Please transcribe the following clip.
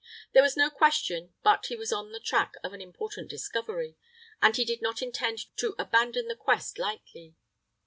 There was no question but he was on the track of an important discovery, and he did not intend to abandon the quest lightly.